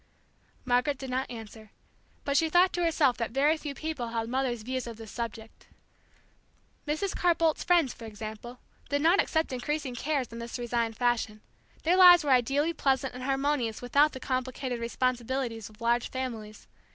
Margaret did not answer. But she thought to herself that very few people held Mother's views of this subject. Mrs. Carr Boldt's friends, for example, did not accept increasing cares in this resigned fashion; their lives were ideally pleasant and harmonious without the complicated responsibilities of large families.